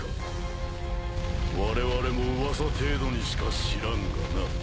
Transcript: われわれも噂程度にしか知らんがな。